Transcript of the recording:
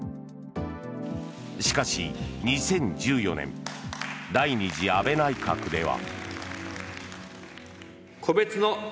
しかし、２０１４年第２次安倍内閣では。